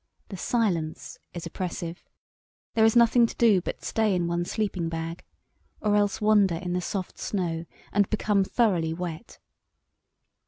The silence is oppressive. There is nothing to do but to stay in one's sleeping bag, or else wander in the soft snow and become thoroughly wet."